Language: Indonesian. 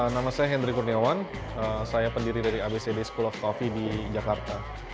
nama saya hendry kurniawan saya pendiri dari abcd school of coffee di jakarta